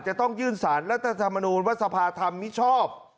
จะต้องยื่นสารรัฐธรรมนูญว่าสภาธรรมมิชอบ